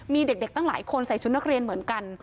มีเด็กตั้งหลายคนใส่ชุดนักเรียนเหมือนกัน